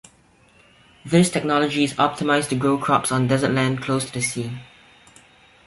This technology is optimized to grow crops on desert land close to the sea.